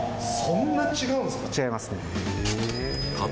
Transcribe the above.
そんな違うんですか？